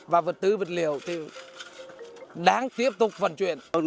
và vật tư vật liệu thì đáng tiếp tục vận chuyển